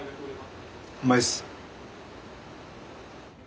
うまいっす。